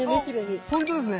あっほんとですね。